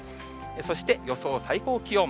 そして予想最高気温。